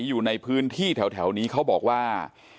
อยู่ในพื้นที่แถวนี้เขาบอกว่า